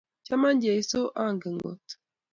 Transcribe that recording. Chama Jesu; angen kot;